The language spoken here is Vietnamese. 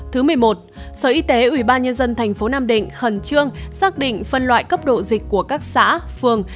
thứ một mươi một sở y tế ubnd tp nam định khẩn trương xác định phân loại cấp độ dịch của các xã phường